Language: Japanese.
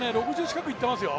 ６０近くいっていますよ。